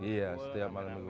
iya setiap malam minggu